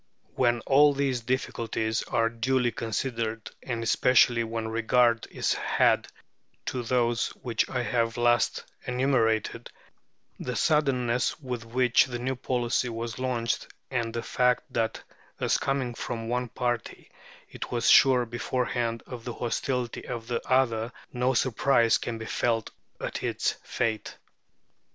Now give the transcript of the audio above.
When all these difficulties are duly considered, and especially when regard is had to those which I have last enumerated, the suddenness with which the new policy was launched, and the fact that as coming from one party it was sure beforehand of the hostility of the other, no surprise can be felt at its fate.